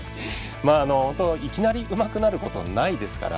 いきなりうまくなることはないですから。